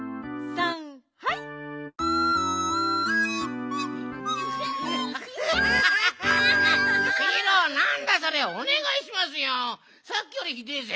さっきよりひでえぜ。